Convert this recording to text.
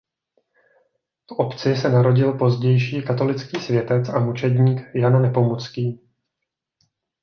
V obci se narodil pozdější katolický světec a mučedník Jan Nepomucký.